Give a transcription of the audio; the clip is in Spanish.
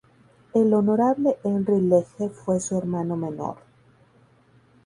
El Honorable Henry Legge fue su hermano menor.